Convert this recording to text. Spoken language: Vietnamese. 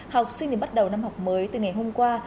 học sinh thì bắt đầu năm học mới từ ngày hôm qua